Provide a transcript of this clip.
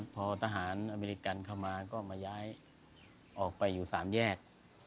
พอทหารอเมริกันเข้ามาก็มาย้ายออกไปอยู่๓แยก